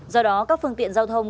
do đó các phương tiện giao thông